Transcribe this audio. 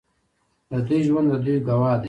د دوی ژوند د دوی ګواه دی.